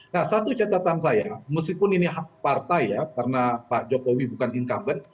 nah satu catatan saya meskipun ini hak partai ya karena pak jokowi bukan incumbent